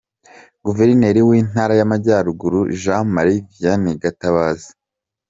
Guverineri w’Intara y’Amajyaruguru, Jean Marie Vianney Gatabazi.